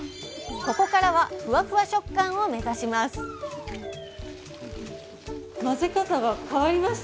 ここからはふわふわ食感を目指します